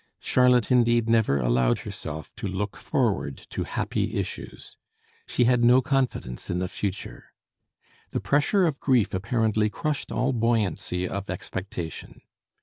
Charlotte indeed never allowed herself to look forward to happy issues. She had no confidence in the future. The pressure of grief apparently crushed all buoyancy of expectation.